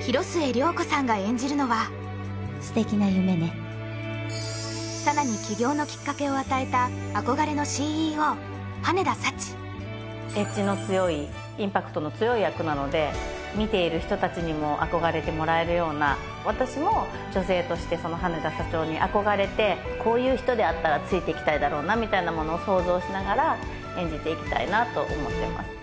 広末涼子さんが演じるのは素敵な夢ね佐奈に起業のきっかけを与えた憧れのＣＥＯエッジの強いインパクトの強い役なので見ている人達にも憧れてもらえるような私も女性として羽田社長に憧れてこういう人であったらついていきたいだろうなみたいなものを想像しながら演じていきたいなと思ってます